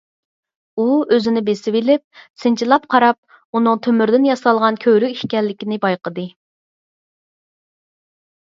ئۇ ئۆزىنى بېسىۋېلىپ، سىنچىلاپ قاراپ، ئۇنىڭ تۆمۈردىن ياسالغان كۆۋرۈك ئىكەنلىكىنى بايقىدى.